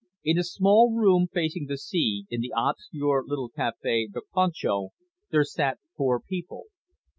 In a small room facing the sea, in the obscure little cafe "The Concho" there sat four people.